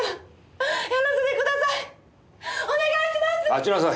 立ちなさい。